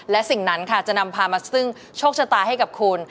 และสิ่งนั้นค่ะจะนำพามาซึ่งโชคชะตาให้กับคุณ